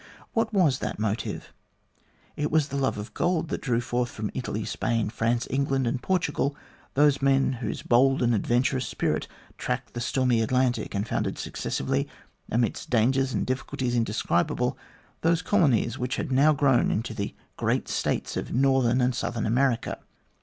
What was that motive ? It was the love of gold that drew forth from Italy, Spain, France, England, and Portugal those men whose bold and adventurous spirit tracked the stormy Atlantic, and founded successively, amidst dangers and dif ficulties indescribable, those colonies which had now grown into the great States of Northern and Southern America.